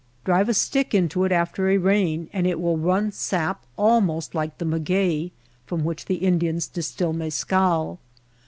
Drive a stick into it after a rain and it will run sap almost like the maguey from which the Indians distill mescal.